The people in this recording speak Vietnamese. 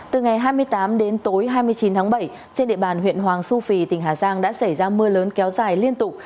từ ngày hai mươi tám đến tối hai mươi chín tháng bảy trên địa bàn huyện hoàng su phi tỉnh hà giang đã xảy ra mưa lớn kéo dài liên tục